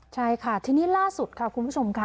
ใช่ค่ะทีนี้ล่าสุดค่ะคุณผู้ชมค่ะ